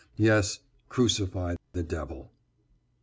Yes, crucify, the devil.